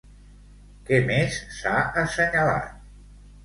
Què més s'ha assenyalat?